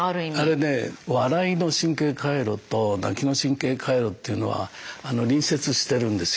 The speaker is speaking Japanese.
あれね笑いの神経回路と泣きの神経回路というのは隣接してるんですよ。